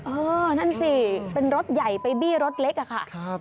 เออนั่นสิเป็นรถใหญ่ไปบี้รถเล็กอะค่ะ